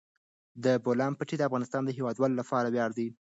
د بولان پټي د افغانستان د هیوادوالو لپاره ویاړ دی.